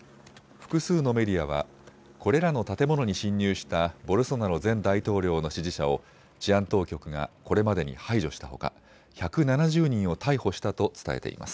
複数のメディアはこれらの建物に侵入したボルソナロ前大統領の支持者を治安当局がこれまでに排除したほか１７０人を逮捕したと伝えています。